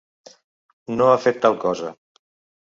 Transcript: No ha fet tal cosa.